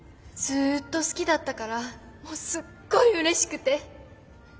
ずっと好きだったからもうすっごいうれしくて。